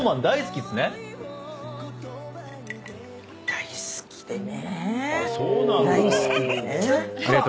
「大好きでね」